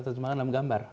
terjemahan dalam gambar